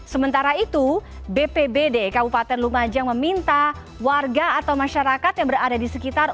sementara itu bpbd kabupaten lumajang meminta warga atau masyarakat yang berada di sekitar